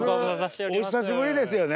お久しぶりですよね。